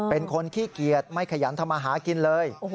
เป็นคนขี้เกียจไม่ขยันทำมาหากินเลย